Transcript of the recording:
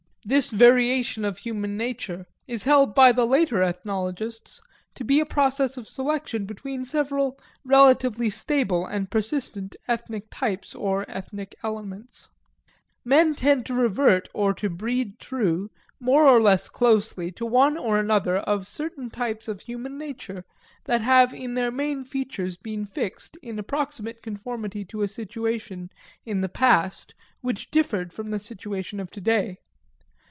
This variation of human nature is held by the later ethnologists to be a process of selection between several relatively stable and persistent ethnic types or ethnic elements. Men tend to revert or to breed true, more or less closely, to one or another of certain types of human nature that have in their main features been fixed in approximate conformity to a situation in the past which differed from the situation of today.